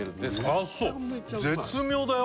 あそう絶妙だよ